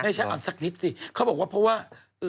ฉันเอาสักนิดสิเขาบอกว่าเพราะว่า